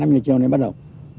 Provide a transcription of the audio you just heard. năm giờ chiều nay bắt đầu